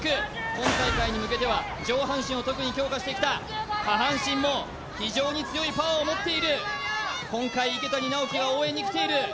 今大会に向けては上半身を特に強化してきた下半身も非常に強いパワーを持っている今回池谷直樹が応援にきている